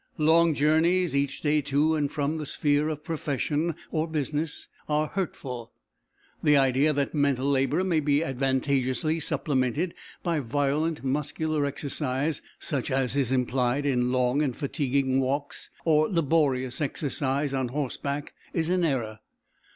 Long journeys each day, to and from the sphere of profession or business, are hurtful. The idea that mental labour may be advantageously supplemented by violent muscular exercise, such as is implied in long and fatiguing walks or laborious exercise on horseback, is an error.